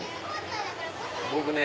僕ね